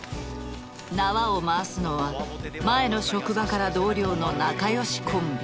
縄を回すのは前の職場から同僚の仲良しコンビ。